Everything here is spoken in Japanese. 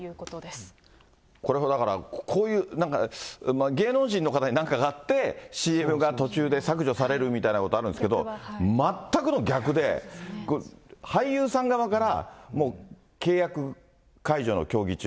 これはだから、こういう、芸能人の方になんかがあってＣＭが途中で削除されるみたいなことはあるんですけど、全くの逆で、これ、俳優さん側から、もう契約解除の協議中。